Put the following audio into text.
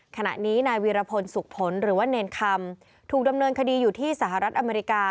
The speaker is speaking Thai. ขณะนี้นายวีรพลสุขผลหรือว่าเนรคำถูกดำเนินคดีอยู่ที่สหรัฐอเมริกา